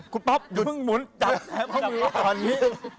คุณป๊อบหยุดเหมือนหมุนจับแผ่งข้างหนึ่งตอนนี้